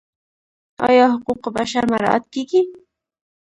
آیا حقوق بشر مراعات کیږي؟